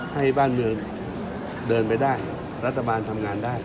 ให้บ้านเมืองเดินไปได้รัฐบาลทำงานได้